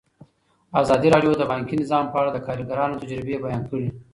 ازادي راډیو د بانکي نظام په اړه د کارګرانو تجربې بیان کړي.